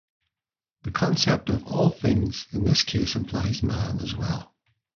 The concept of "all things" in this case implies man as well.